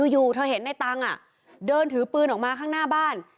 อยู่เธอเห็นในตังค์เดินถือปืนออกมาข้างหน้าบ้าน